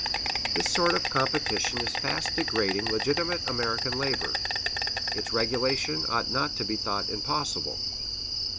This sort of competition is fast degrading legitimate American labor. Its regulation ought not to be thought impossible.